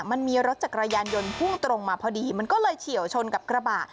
มันมีรถจักรยานยนต์พุ่งตรงมาพอดีมันก็เลยเฉียวชนกับกระบะ